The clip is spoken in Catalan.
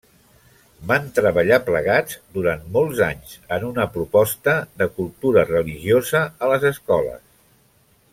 Van treballar plegats durant molts anys en una proposta de cultura religiosa a les escoles.